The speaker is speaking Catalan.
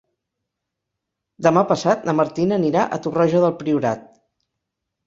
Demà passat na Martina anirà a Torroja del Priorat.